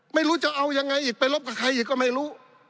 ไม่รู้จะเอายังไงอีกไปรบกับใครอีกก็ไม่รู้